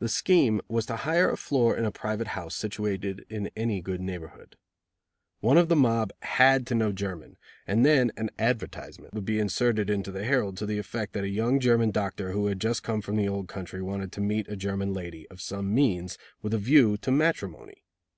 The scheme was to hire a floor in a private house situated in any good neighborhood. One of the mob had to know German, and then an advertisement would be inserted in the Herald to the effect that a young German doctor who had just come from the old country wanted to meet a German lady of some means with a view to matrimony.